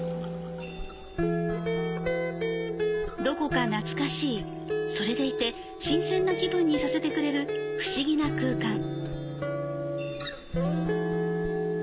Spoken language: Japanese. どこか懐かしい、それでいて新鮮な気分にさせてくれる不思議な空間。